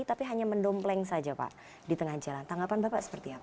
tapi hanya mendompleng saja pak di tengah jalan tanggapan bapak seperti apa